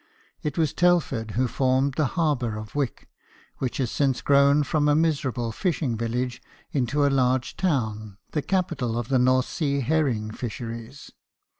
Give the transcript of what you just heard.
It was Telford who formed the harbour of Wick, which has since grown from a miserable fishing village into a large town, the capital of the North Sea herring fisheries.